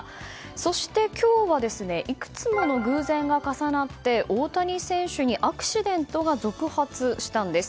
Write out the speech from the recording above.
そして今日はいくつもの偶然が重なって大谷選手にアクシデントが続発したんです。